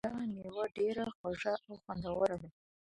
دغه مېوه ډېره خوږه او خوندوره ده.